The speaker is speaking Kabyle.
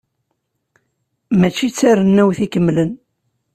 Mačči d tarennawt ikemlen.